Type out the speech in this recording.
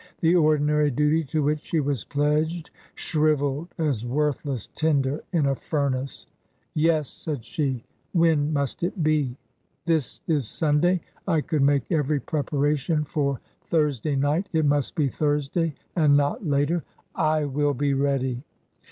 The ordinary duty to which she was pledged shrivelled as worthless tinder in a furnace. " Yes/' said she. " When must it be ?" "This is Sunday. I could make every preparation for Thursday night. It must be Thursday, and not later." I will be ready."